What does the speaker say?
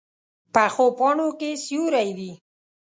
پخو پاڼو کې سیوری وي